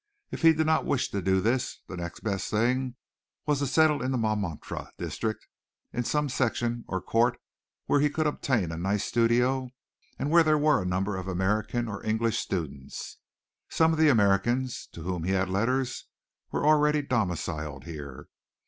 If he did not wish to do this, the next best thing was to settle in the Montmartre district in some section or court where he could obtain a nice studio, and where there were a number of American or English students. Some of the Americans to whom he had letters were already domiciled here.